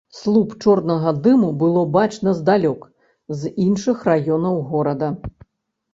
Слуп чорнага дыму было бачна здалёк, з іншых раёнаў горада.